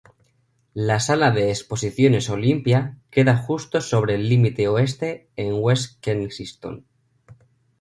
La sala de exposiciones Olympia queda justo sobre el límite oeste en West Kensington.